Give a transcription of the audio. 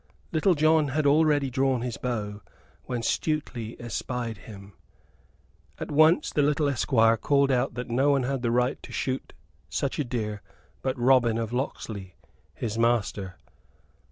Little John had already drawn his bow when Stuteley espied him. At once the little esquire called out that no one had the right to shoot such a deer but Robin of Locksley, his master.